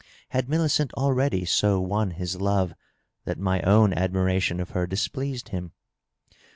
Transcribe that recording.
Had Millicent already so won his love that my own admiration of her dis pleased him?